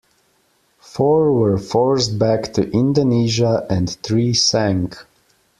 Four were forced back to Indonesia, and three sank.